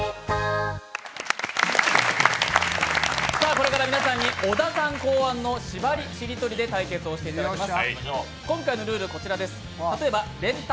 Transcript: これから皆さんに小田さん考案のしばりしりとりで対決をいていただきます。